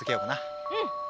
うん！